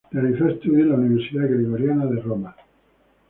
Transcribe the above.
Realizó estudios en la Universidad Gregoriana de Roma.